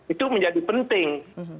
itu menjadi penting